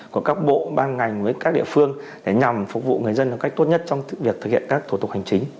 của các bộ ban ngành với các địa phương để nhằm phục vụ người dân một cách tốt nhất trong việc thực hiện các thủ tục hành chính